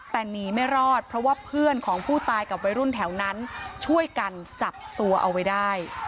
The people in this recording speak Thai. แต่หนีไม่รอดเพราะว่าเพื่อนของผู้ตายกับวัยรุ่นแถวนั้นช่วยกันจับตัวเอาไว้ได้